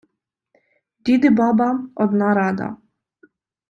дід і баба – одна рада